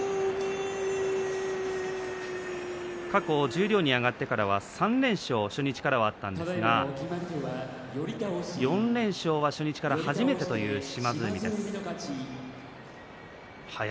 過去、十両に上がってからは３連勝は初日からありましたが４連勝は初日からは初めてという島津海です。